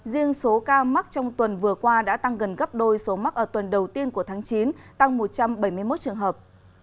riêng số ca mắc trong tuần vừa qua đã tăng gần gấp đôi số mắc ở tuần đầu tiên của tháng chín tăng một trăm bảy mươi một trường hợp